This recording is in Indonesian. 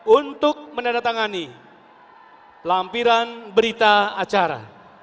untuk menandatangani lampiran berita acara